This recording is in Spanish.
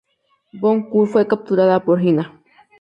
Bon Kure fue capturado por Hina.